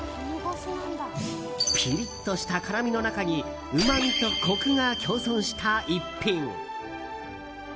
ピリッとした辛みの中にうまみとコクが共存した逸品。